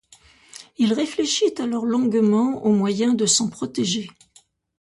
Il réfléchit alors longuement au moyen de s'en protéger.